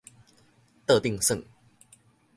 桌頂耍